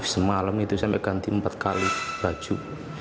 semalam itu saya mengganti empat kali baju